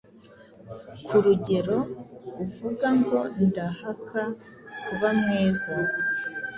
Kurugero, uvuga ngo “Ndahaka kuba mwiza